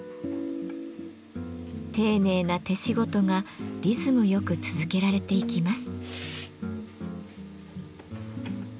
丁寧な手仕事がリズムよく続けられていきます。